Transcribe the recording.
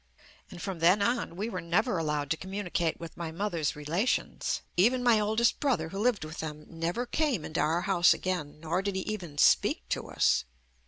And from then on we were never allowed to communicate with my mother's relations, even my oldest brother, who lived with them, never came into our house again nor did he even speak to us.